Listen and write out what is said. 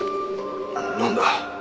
なんだ？